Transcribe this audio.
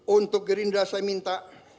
untuk gerinda saya minta